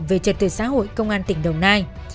về trật tự xã hội công an tỉnh đồng nai